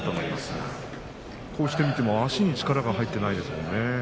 こうして見ても足に力が入っていませんね。